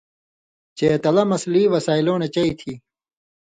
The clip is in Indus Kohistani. چے تلہ مسئلی وسائلوں نہ چئ تھی۔